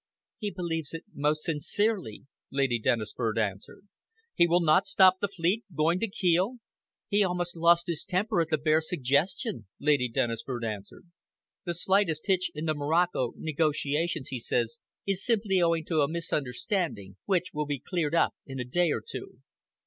"He believes it most sincerely," Lady Dennisford answered. "He will not stop the fleet going to Kiel?" "He almost lost his temper at the bare suggestion," Lady Dennisford answered. "The slight hitch in the Morocco negotiations, he says, is simply owing to a misunderstanding, which will be cleared up in a day or two."